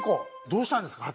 どうしたんですか？